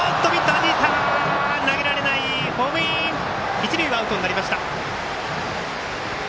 一塁はアウトになりました。